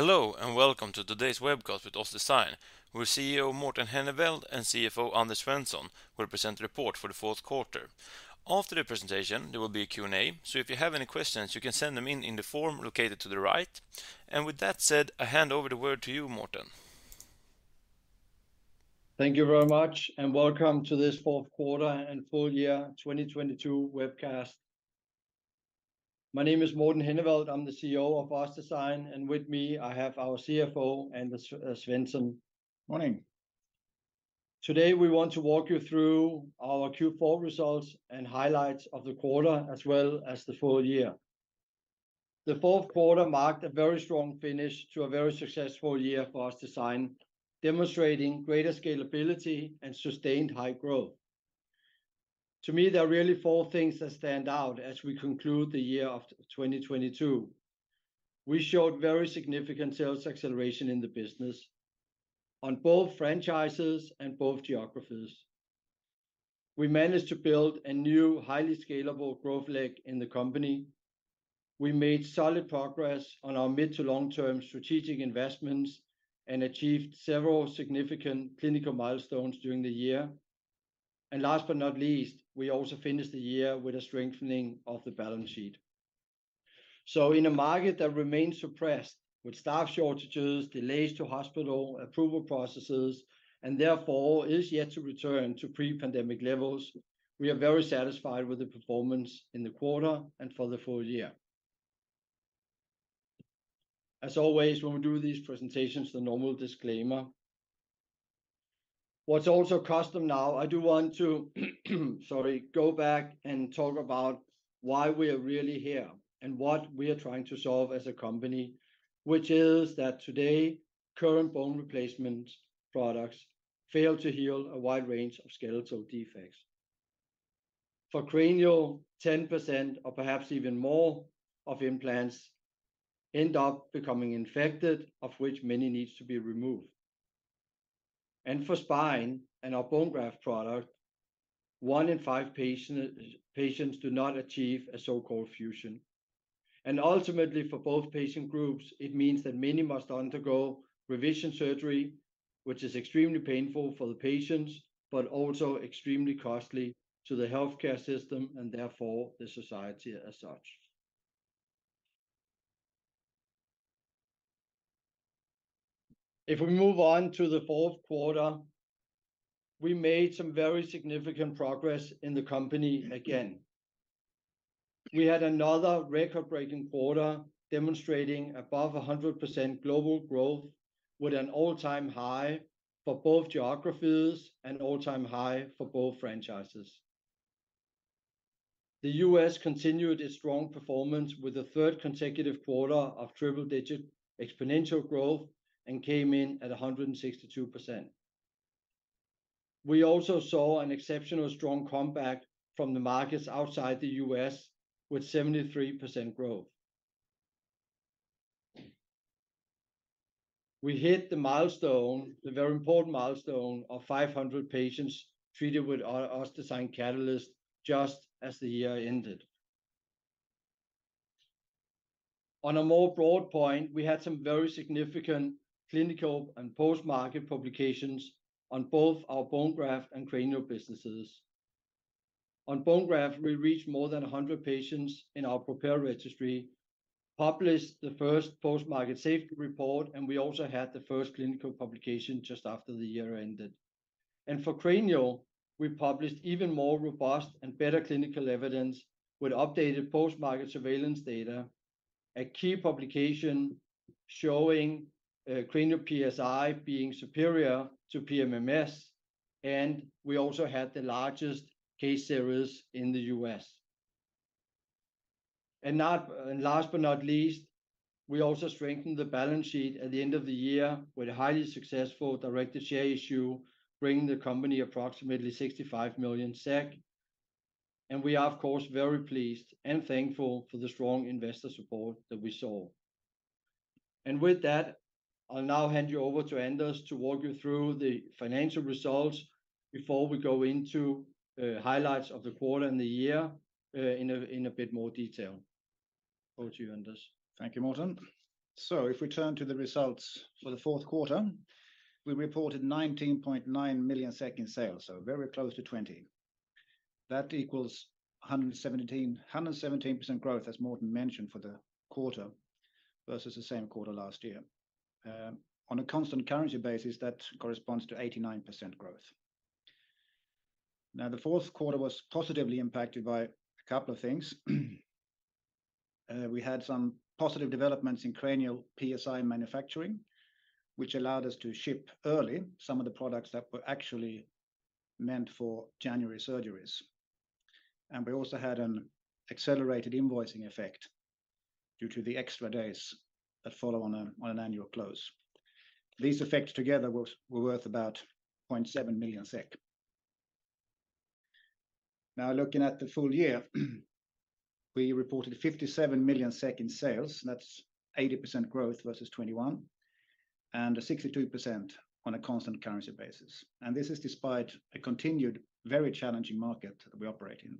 Hello, and welcome to today's webcast with OssDsign, where CEO Morten Henneveld and CFO Anders Svensson will present the report for Q4. After the presentation, there will be a Q&A, so if you have any questions, you can send them in in the form located to the right. With that said, I hand over the word to you, Morten. Thank you very much, and welcome to this Q4 and full year 2022 webcast. My name is Morten Henneveld, I'm the CEO of OssDsign, and with me I have our CFO, Anders Svensson. Morning. Today, we want to walk you through our Q4 results and highlights of the quarter, as well as the full year. Q4 marked a very strong finish to a very successful year for OssDsign, demonstrating greater scalability and sustained high growth. To me, there are really four things that stand out as we conclude the year of 2022. We showed very significant sales acceleration in the business on both franchises and both geographies. We managed to build a new, highly scalable growth leg in the company. We made solid progress on our mid to long-term strategic investments and achieved several significant clinical milestones during the year. Last but not least, we also finished the year with a strengthening of the balance sheet. In a market that remains suppressed, with staff shortages, delays to hospital approval processes, and therefore is yet to return to pre-pandemic levels, we are very satisfied with the performance in the quarter and for the full year. As always, when we do these presentations, the normal disclaimer. What's also custom now, I do want to, sorry, go back and talk about why we are really here and what we are trying to solve as a company, which is that today, current bone replacement products fail to heal a wide range of skeletal defects. For cranial, 10% or perhaps even more of implants end up becoming infected, of which many needs to be removed. For spine and our bone graft product, one in five patients do not achieve a so-called fusion. Ultimately, for both patient groups, it means that many must undergo revision surgery, which is extremely painful for the patients, but also extremely costly to the healthcare system and therefore the society as such. If we move on to Q4, we made some very significant progress in the company again. We had another record-breaking quarter demonstrating above 100% global growth with an all-time high for both geographies and all-time high for both franchises. The U.S. continued its strong performance with a third consecutive quarter of triple-digit exponential growth and came in at 162%. We also saw an exceptional strong comeback from the markets outside the U.S. with 73% growth. We hit the milestone, the very important milestone of 500 patients treated with OssDsign Catalyst just as the year ended. On a more broad point, we had some very significant clinical and post-market publications on both our bone graft and cranial businesses. On bone graft, we reached more than 100 patients in our PROPEL registry, published the first post-market safety report, and we also had the first clinical publication just after the year ended. For cranial, we published even more robust and better clinical evidence with updated post-market surveillance data, a key publication showing cranial PSI being superior to PMMA, and we also had the largest case series in the U.S. Last but not least, we also strengthened the balance sheet at the end of the year with a highly successful directed share issue, bringing the company approximately 65 million SEK. We are, of course, very pleased and thankful for the strong investor support that we saw. With that, I'll now hand you over to Anders to walk you through the financial results before we go into highlights of the quarter and the year, in a bit more detail. Over to you, Anders. Thank you, Morten. If we turn to the results for Q4, we reported 19.9 million SEK in sales, very close to 20 million. That equals 117% growth, as Morten mentioned, for the quarter versus the same quarter last year. On a constant currency basis, that corresponds to 89% growth. Q4 was positively impacted by a couple of things. We had some positive developments in cranial PSI manufacturing, which allowed us to ship early some of the products that were actually meant for January surgeries. We also had an accelerated invoicing effect due to the extra days that follow on an annual close. These effects together were worth about 0.7 million SEK. Now looking at the full year, we reported 57 million in sales, and that's 80% growth versus 2021, and 62% on a constant currency basis. This is despite a continued, very challenging market that we operate in.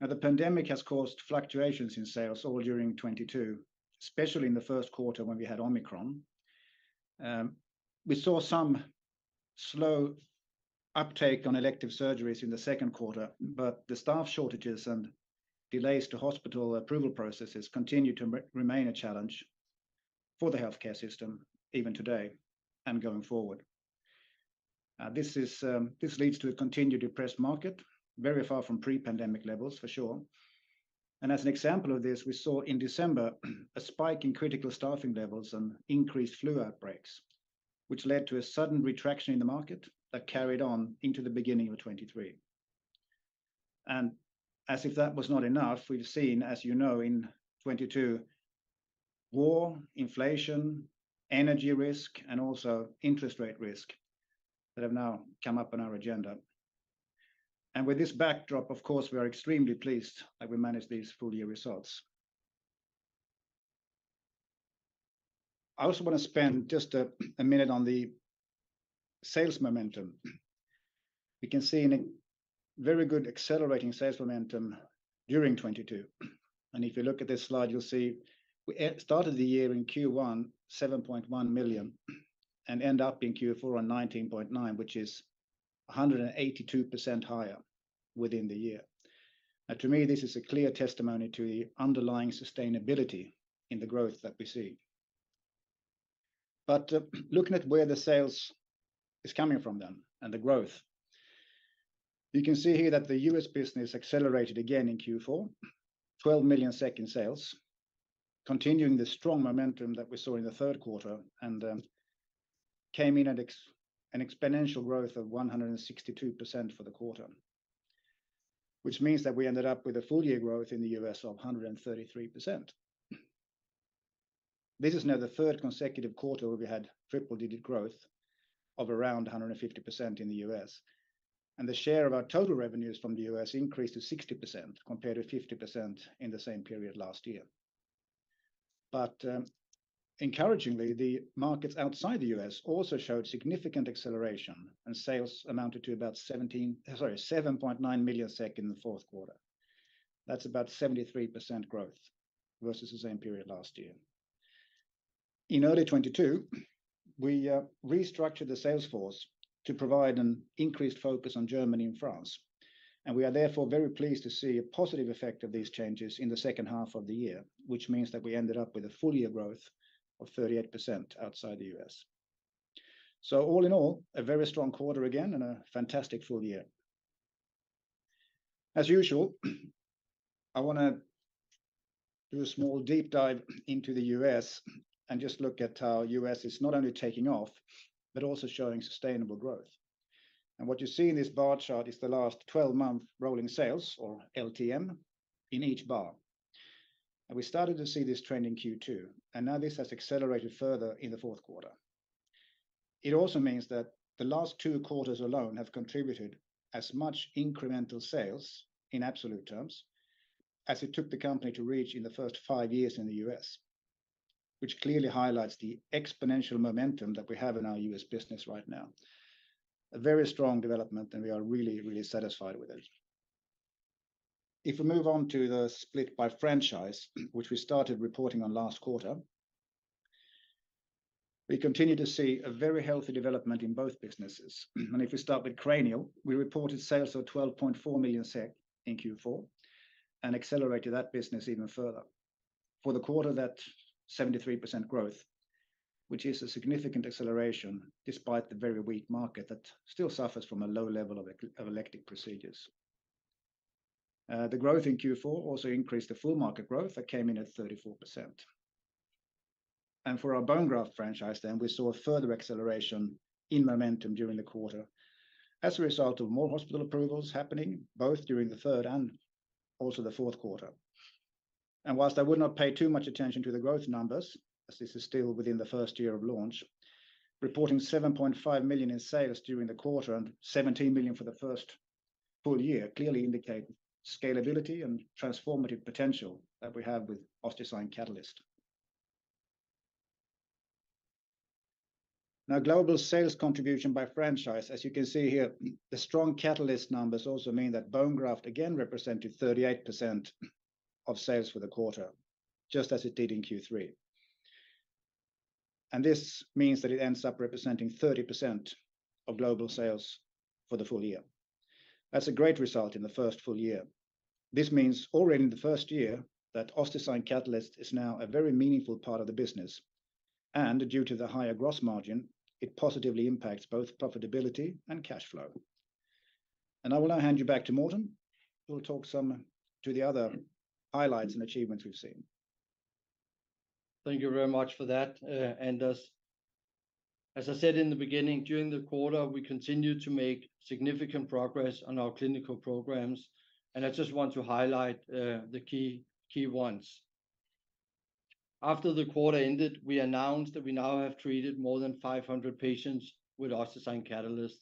Now, the pandemic has caused fluctuations in sales all during 2022, especially in Q1 when we had Omicron. We saw some slow uptake on elective surgeries in Q2, but the staff shortages and delays to hospital approval processes continue to remain a challenge for the healthcare system even today and going forward. This is, this leads to a continued depressed market, very far from pre-pandemic levels for sure. As an example of this, we saw in December a spike in critical staffing levels and increased flu outbreaks, which led to a sudden retraction in the market that carried on into the beginning of 2023. As if that was not enough, we've seen, as you know, in 2022, war, inflation, energy risk, and also interest rate risk that have now come up on our agenda. With this backdrop, of course, we are extremely pleased that we managed these full year results. I also wanna spend just a minute on the sales momentum. We can see a very good accelerating sales momentum during 2022. If you look at this slide, you'll see we started the year in Q1, 7.1 million, and end up in Q4 on 19.9 million, which is 182% higher within the year. To me, this is a clear testimony to the underlying sustainability in the growth that we see. Looking at where the sales is coming from then and the growth. We can see here that the U.S. business accelerated again in Q4. 12 million SEK in sales, continuing the strong momentum that we saw in Q3, and came in at an exponential growth of 162% for the quarter, which means that we ended up with a full year growth in the U.S. of 133%. This is now the third consecutive quarter where we had triple digit growth of around 150% in the U.S. The share of our total revenues from the U.S. increased to 60%, compared to 50% in the same period last year. Encouragingly, the markets outside the U.S. also showed significant acceleration, and sales amounted to about 7.9 million SEK in Q4. That's about 73% growth versus the same period last year. In early 2022, we restructured the sales force to provide an increased focus on Germany and France, and we are therefore very pleased to see a positive effect of these changes in the second half of the year, which means that we ended up with a full year growth of 38% outside the U.S. All in all, a very strong quarter again and a fantastic full year. As usual, I wanna do a small deep dive into the U.S. and just look at how U.S. is not only taking off but also showing sustainable growth. What you see in this bar chart is the last 12-month rolling sales, or LTM, in each bar. We started to see this trend in Q2, and now this has accelerated further in Q4. It also means that the last two quarters alone have contributed as much incremental sales in absolute terms as it took the company to reach in the first five years in the U.S., which clearly highlights the exponential momentum that we have in our U.S. business right now. A very strong development. We are really, really satisfied with it. If we move on to the split by franchise, which we started reporting on last quarter, we continue to see a very healthy development in both businesses. If we start with Cranial, we reported sales of 12.4 million SEK in Q4 and accelerated that business even further. For the quarter, that's 73% growth, which is a significant acceleration despite the very weak market that still suffers from a low level of elective procedures. The growth in Q4 also increased the full market growth that came in at 34%. For our bone graft franchise, we saw a further acceleration in momentum during the quarter as a result of more hospital approvals happening both during the third and also Q4. Whilst I would not pay too much attention to the growth numbers, as this is still within the first year of launch, reporting 7.5 million in sales during the quarter and 17 million for the first full year clearly indicate scalability and transformative potential that we have with OssDsign Catalyst. Global sales contribution by franchise. You can see here, the strong Catalyst numbers also mean that bone graft again represented 38% of sales for the quarter, just as it did in Q3. This means that it ends up representing 30% of global sales for the full year. That's a great result in the first full year. This means already in the first year that OssDsign Catalyst is now a very meaningful part of the business. Due to the higher gross margin, it positively impacts both profitability and cash flow. I will now hand you back to Morten, who will talk some to the other highlights and achievements we've seen. Thank you very much for that, Anders. As I said in the beginning, during the quarter, we continued to make significant progress on our clinical programs, and I just want to highlight the key ones. After the quarter ended, we announced that we now have treated more than 500 patients with OssDsign Catalyst.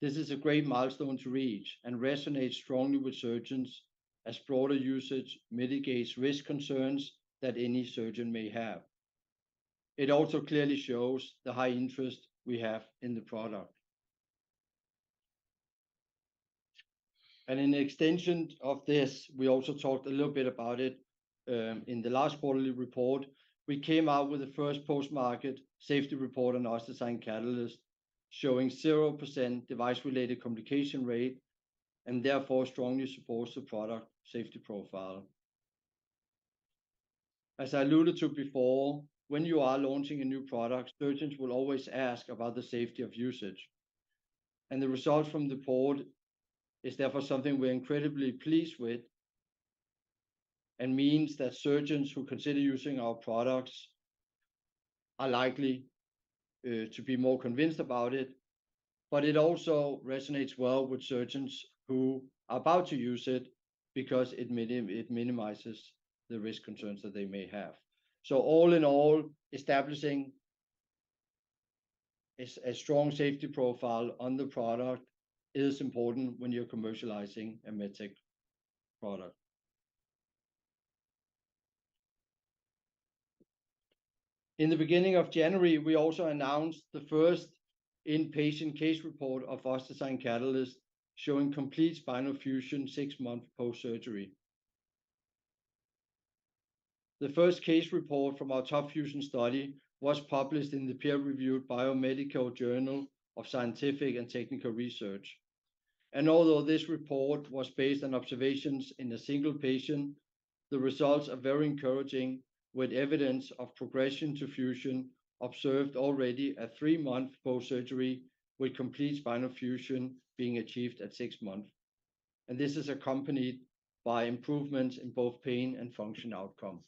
This is a great milestone to reach and resonates strongly with surgeons as broader usage mitigates risk concerns that any surgeon may have. It also clearly shows the high interest we have in the product. In extension of this, we also talked a little bit about it in the last quarterly report. We came out with the first post-market safety report on OssDsign Catalyst, showing 0% device-related complication rate and therefore strongly supports the product safety profile. As I alluded to before, when you are launching a new product, surgeons will always ask about the safety of usage. The results from the poll is therefore something we're incredibly pleased with and means that surgeons who consider using our products are likely to be more convinced about it. It also resonates well with surgeons who are about to use it because it minimizes the risk concerns that they may have. All in all, establishing a strong safety profile on the product is important when you're commercializing a med tech product. In the beginning of January, we also announced the first in-patient case report of OssDsign Catalyst showing complete spinal fusion 6 months post-surgery. The first case report from our TOP FUSION study was published in the peer-reviewed Biomedical Journal of Scientific & Technical Research. Although this report was based on observations in a single patient, the results are very encouraging, with evidence of progression to fusion observed already at three-month post-surgery, with complete spinal fusion being achieved at six months. This is accompanied by improvements in both pain and function outcomes.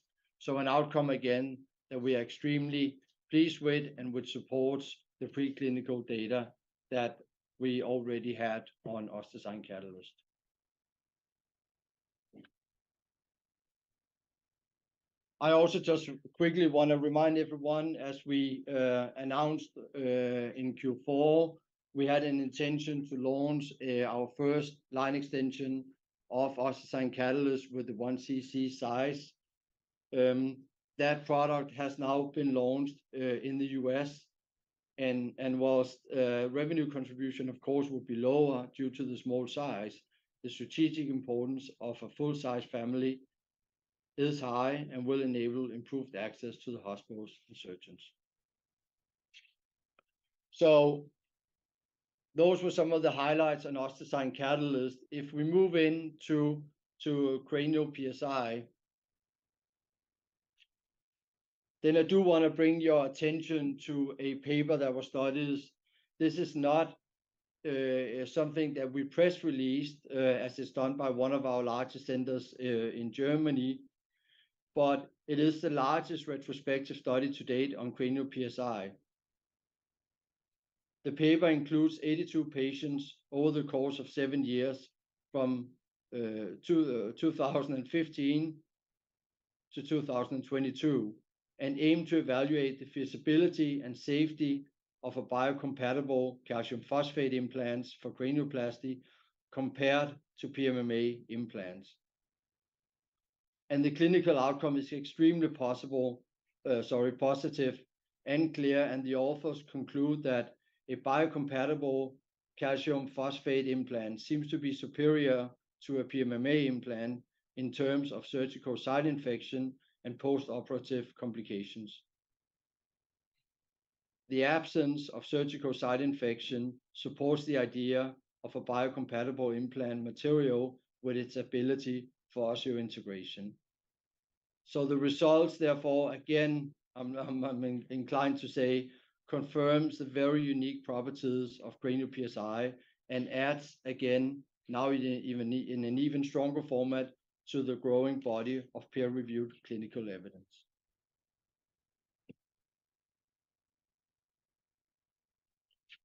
An outcome again that we are extremely pleased with and which supports the pre-clinical data that we already had on OssDsign Catalyst.. That product has now been launched in the U.S., and whilst revenue contribution of course will be lower due to the small size, the strategic importance of a full-size family is high and will enable improved access to the hospitals and surgeons. Those were some of the highlights on OssDsign Catalyst. If we move into Cranial PSI, I do want to bring your attention to a paper that was studied. This is not something that we press released, as it's done by one of our largest centers in Germany, but it is the largest retrospective study to date on Cranial PSI. The paper includes 82 patients over the course of seven years from 2015 to 2022, and aim to evaluate the feasibility and safety of a biocompatible calcium phosphate implants for cranioplasty compared to PMMA implants. The clinical outcome is extremely positive and clear, and the authors conclude that a biocompatible calcium phosphate implant seems to be superior to a PMMA implant in terms of surgical site infection and postoperative complications. The absence of surgical site infection supports the idea of a biocompatible implant material with its ability for osseointegration. The results, therefore again, I'm inclined to say, confirms the very unique properties of Cranial PSI and adds again, now even, in an even stronger format, to the growing body of peer-reviewed clinical evidence.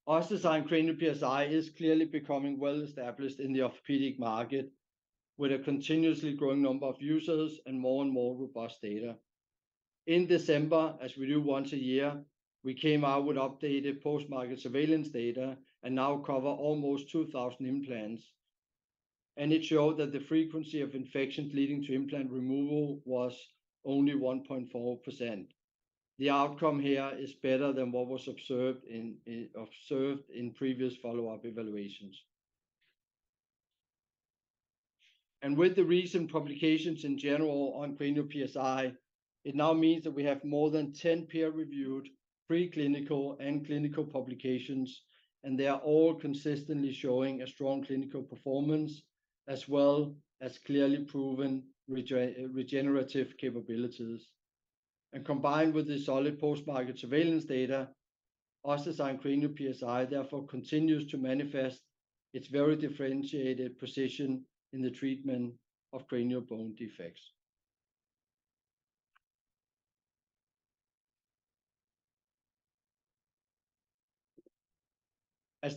OssDsign Cranial PSI is clearly becoming well established in the orthopedic market, with a continuously growing number of users and more and more robust data. In December, as we do once a year, we came out with updated post-market surveillance data and now cover almost 2,000 implants. It showed that the frequency of infections leading to implant removal was only 1.4%. The outcome here is better than what was observed in previous follow-up evaluations. With the recent publications in general on Cranial PSI, it now means that we have more than 10 peer-reviewed pre-clinical and clinical publications, and they are all consistently showing a strong clinical performance as well as clearly proven regenerative capabilities. Combined with the solid post-market surveillance data, OssDsign Cranial PSI therefore continues to manifest its very differentiated position in the treatment of cranial bone defects.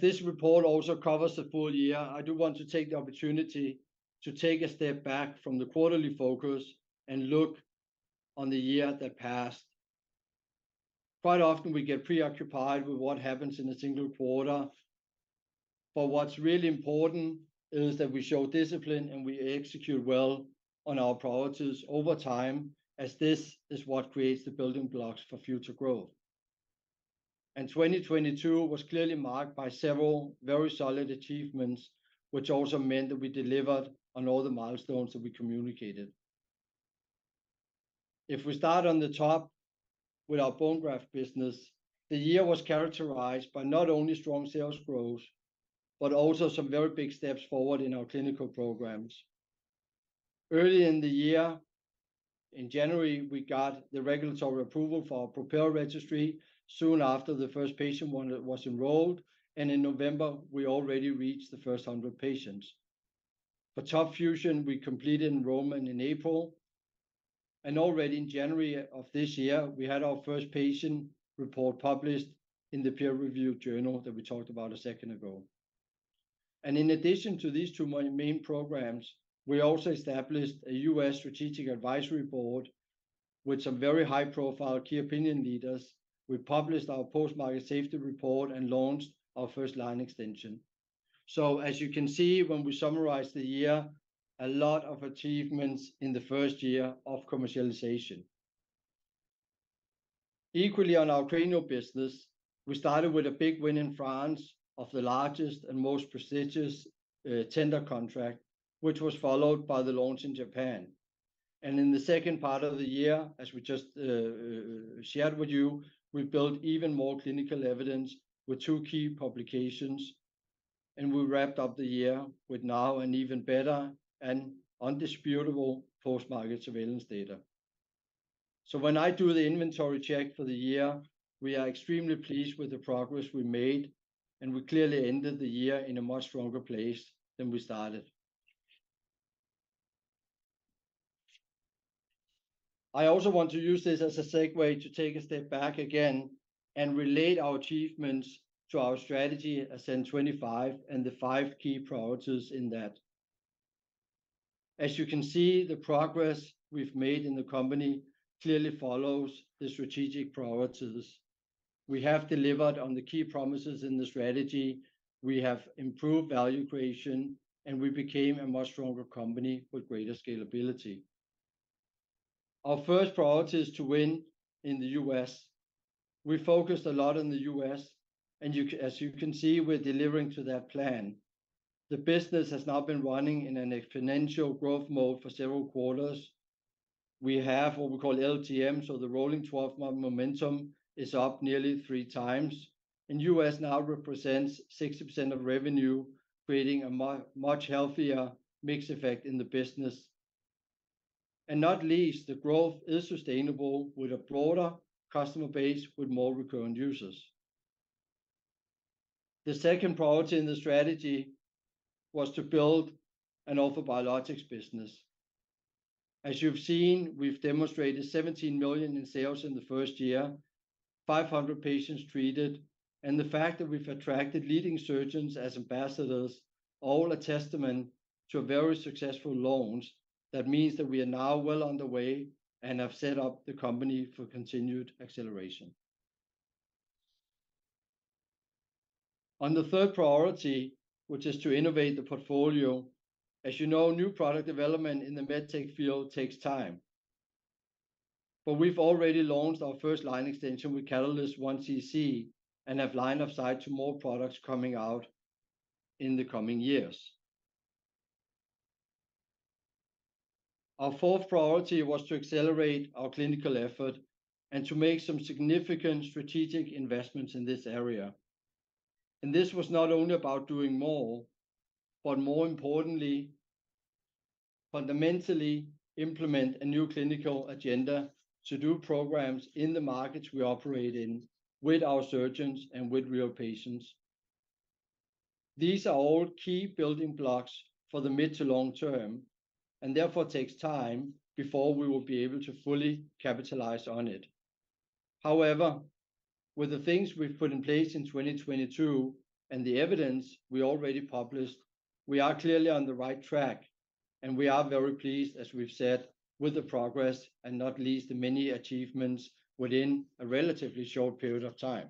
This report also covers the full year, I do want to take the opportunity to take a step back from the quarterly focus and look on the year that passed. Quite often we get preoccupied with what happens in a single quarter. What's really important is that we show discipline and we execute well on our priorities over time, as this is what creates the building blocks for future growth. 2022 was clearly marked by several very solid achievements, which also meant that we delivered on all the milestones that we communicated. If we start on the top with our bone graft business, the year was characterized by not only strong sales growth, but also some very big steps forward in our clinical programs. Early in the year, in January, we got the regulatory approval for our PROPEL registry. Soon after, the first patient one was enrolled, and in November we already reached the first 100 patients. For TOP FUSION, we completed enrollment in April, already in January of this year we had our first patient report published in the peer review journal that we talked about a second ago. In addition to these two main programs, we also established a U.S. strategic advisory board with some very high-profile key opinion leaders. We published our post-market safety report and launched our first line extension. As you can see when we summarize the year, a lot of achievements in the first year of commercialization. Equally on our cranial business, we started with a big win in France of the largest and most prestigious tender contract, which was followed by the launch in Japan. In the second part of the year, as we just shared with you, we built even more clinical evidence with two key publications, and we wrapped up the year with now an even better and undisputable post-market surveillance data. When I do the inventory check for the year, we are extremely pleased with the progress we made, and we clearly ended the year in a much stronger place than we started. I also want to use this as a segue to take a step back again and relate our achievements to our strategy ASCENT25 and the five key priorities in that. As you can see, the progress we've made in the company clearly follows the strategic priorities. We have delivered on the key promises in the strategy. We have improved value creation, and we became a much stronger company with greater scalability. Our first priority is to win in the U.S. We focused a lot on the U.S., as you can see, we're delivering to that plan. The business has now been running in an exponential growth mode for several quarters. We have what we call LTM, so the rolling 12-month momentum is up nearly 3 times, and U.S. now represents 60% of revenue, creating a much healthier mix effect in the business. Not least, the growth is sustainable with a broader customer base with more recurring users. The second priority in the strategy was to build an orthobiologics business. As you've seen, we've demonstrated 17 million in sales in the first year, 500 patients treated, and the fact that we've attracted leading surgeons as ambassadors, all a testament to a very successful launch. That means that we are now well on the way and have set up the company for continued acceleration. On the third priority, which is to innovate the portfolio, as you know, new product development in the med tech field takes time. We've already launched our first line extension with OssDsign Catalyst 1cc and have line of sight to more products coming out in the coming years. Our fourth priority was to accelerate our clinical effort and to make some significant strategic investments in this area. This was not only about doing more, but more importantly, fundamentally implement a new clinical agenda to do programs in the markets we operate in with our surgeons and with real patients. These are all key building blocks for the mid to long term and therefore takes time before we will be able to fully capitalize on it. However, with the things we've put in place in 2022 and the evidence we already published, we are clearly on the right track and we are very pleased, as we've said, with the progress and not least the many achievements within a relatively short period of time.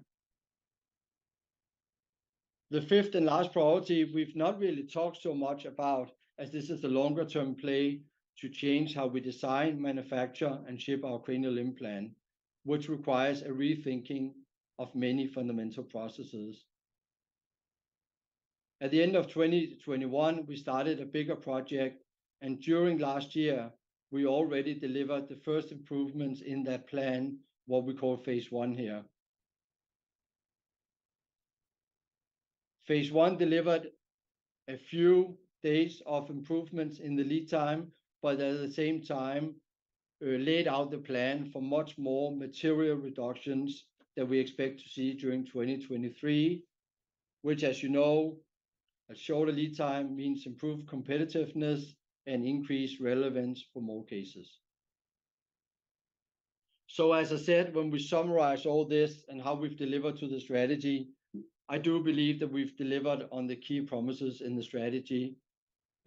The fifth and last priority we've not really talked so much about, as this is a longer term play to change how we design, manufacture, and ship our cranial implant, which requires a rethinking of many fundamental processes. At the end of 2021, we started a bigger project, and during last year, we already delivered the first improvements in that plan, what we call phase 1 here. Phase one delivered a few days of improvements in the lead time, but at the same time, laid out the plan for much more material reductions that we expect to see during 2023, which, as you know, a shorter lead time means improved competitiveness and increased relevance for more cases. As I said, when we summarize all this and how we've delivered to the strategy, I do believe that we've delivered on the key promises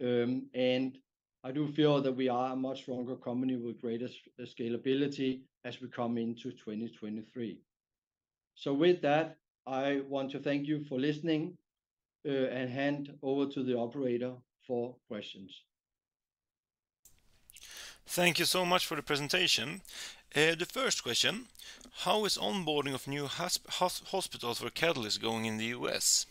in the strategy. I do feel that we are a much stronger company with greater scalability as we come into 2023. With that, I want to thank you for listening, and hand over to the operator for questions. Thank you so much for the presentation. The first question, how is onboarding of new hospitals for Catalyst going in the U.S.?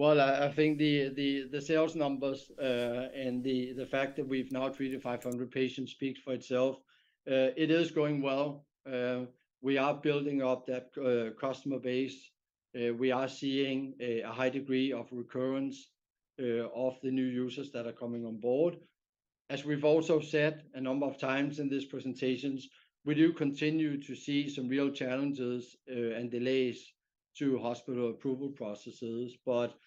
I think the sales numbers and the fact that we've now treated 500 patients speaks for itself. It is going well. We are building up that customer base. We are seeing a high degree of recurrence of the new users that are coming on board. As we've also said a number of times in these presentations, we do continue to see some real challenges and delays to hospital approval processes. For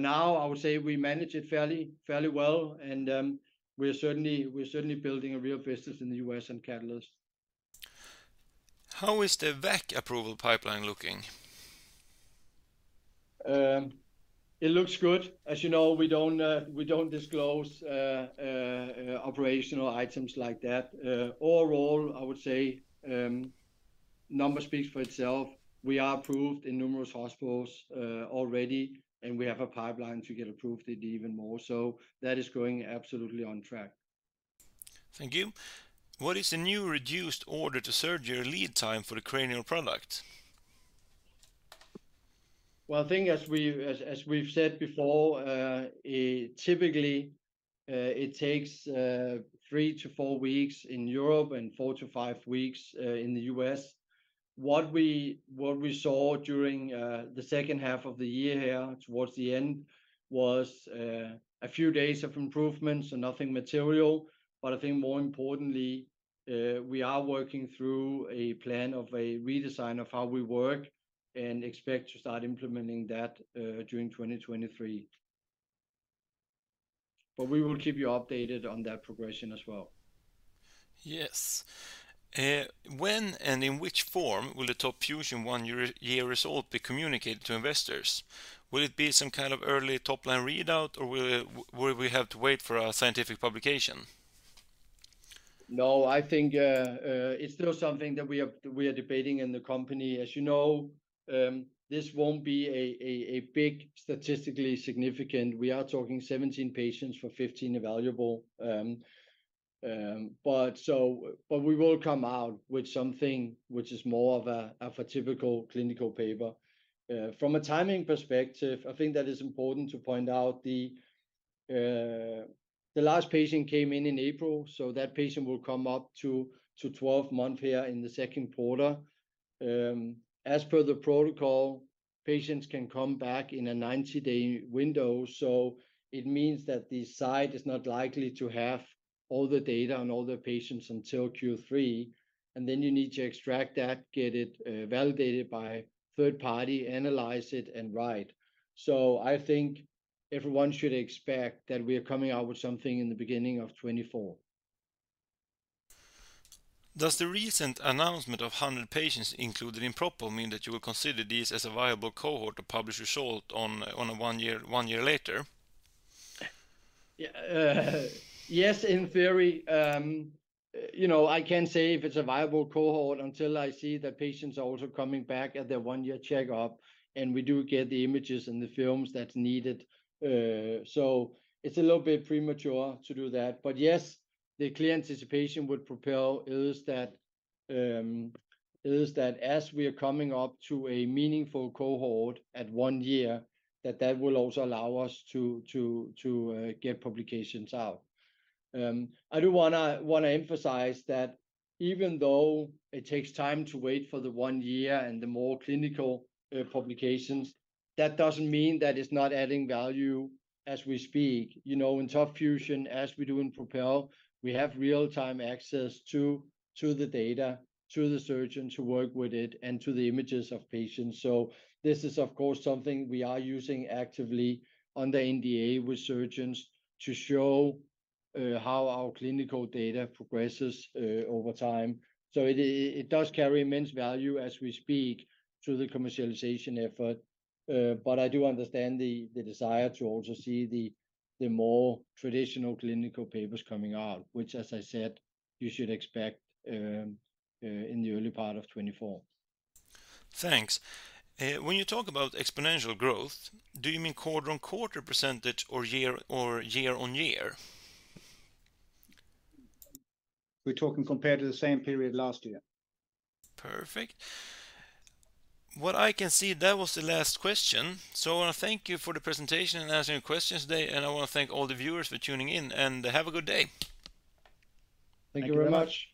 now, I would say we manage it fairly well, and we're certainly building a real business in the U.S. and Catalyst. How is the VAC approval pipeline looking? It looks good. As you know, we don't disclose operational items like that. Overall, I would say, number speaks for itself. We are approved in numerous hospitals already, and we have a pipeline to get approved in even more. That is going absolutely on track. Thank you. What is the new reduced order to surgery lead time for the cranial product? Well, I think as we've said before, it typically, it takes three-four weeks in Europe and four-five weeks in the U.S. What we saw during the second half of the year here towards the end was a few days of improvements and nothing material. I think more importantly, we are working through a plan of a redesign of how we work and expect to start implementing that during 2023. We will keep you updated on that progression as well. Yes. When and in which form will the TOP FUSION one year result be communicated to investors? Will it be some kind of early top-line readout, or will we have to wait for a scientific publication? No, I think it's still something that we are debating in the company. As you know, this won't be a big statistically significant. We are talking 17 patients for 15 evaluable. We will come out with something which is more of a typical clinical paper. From a timing perspective, I think that is important to point out the last patient came in in April, so that patient will come up to 12-month here in Q2. As per the protocol, patients can come back in a 90-day window, so it means that the site is not likely to have all the data on all the patients until Q3. Then you need to extract that, get it validated by third party, analyze it, and write. I think everyone should expect that we are coming out with something in the beginning of 2024. Does the recent announcement of 100 patients included in PROPEL mean that you will consider this as a viable cohort to publish result on a one year later? Yes, in theory. You know, I can't say if it's a viable cohort until I see the patients also coming back at their one-year checkup, and we do get the images and the films that's needed. It's a little bit premature to do that. Yes, the clear anticipation with PROPEL is that as we are coming up to a meaningful cohort at one year, that that will also allow us to get publications out. I do wanna emphasize that even though it takes time to wait for the one year and the more clinical publications, that doesn't mean that it's not adding value as we speak. You know, in TOP FUSION, as we do in PROPEL, we have real-time access to the data, to the surgeon to work with it, and to the images of patients. This is of course something we are using actively on the NDA with surgeons to show how our clinical data progresses over time. It does carry immense value as we speak to the commercialization effort. I do understand the desire to also see the more traditional clinical papers coming out, which, as I said, you should expect in the early part of 2024. Thanks. When you talk about exponential growth, do you mean quarter-on-quarter percentage or year or year-on-year? We're talking compared to the same period last year. Perfect. What I can see, that was the last question. I wanna thank you for the presentation and answering questions today, and I wanna thank all the viewers for tuning in, and have a good day. Thank you very much.